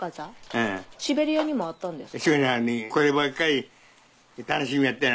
シベリアにもあったんですか？